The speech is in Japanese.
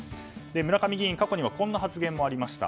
村上議員、過去にはこんな発言もありました。